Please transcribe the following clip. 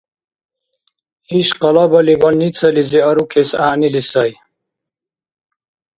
Иш къалабали больницализи арукес гӀягӀнили сай